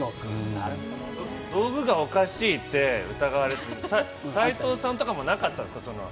道具がおかしいって疑われるのって斎藤さんとかもなかったですか？